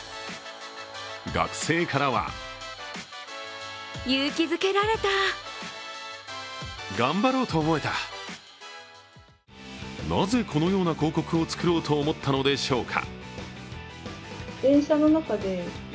学生からはなぜ、このような広告を作ろうと思ったのでしょうか。